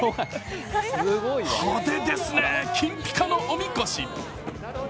派手ですね、金ピカのおみこし。